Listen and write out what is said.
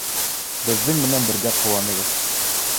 Беҙҙең менән бергә ҡыуанығыҙ!